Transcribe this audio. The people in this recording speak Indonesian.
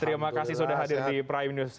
terima kasih sudah hadir di prime news